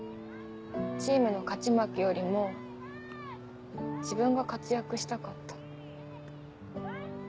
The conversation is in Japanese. チームの勝ち負けよりも自分が活躍したかった。